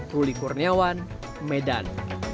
ruli kurniawan medan